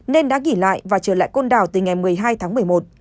nên đã nghỉ lại và trở lại con đảo từ ngày một mươi hai tháng một mươi một